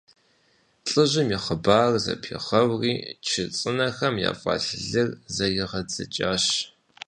ЛӀыжьым и хъыбарыр зэпигъэури, чы цӀынэхэм яфӀэлъ лыр зэригъэдзэкӀащ.